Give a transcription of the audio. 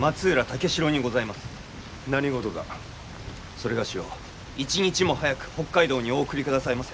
それがしを一日も早く北海道にお送りくださいませ。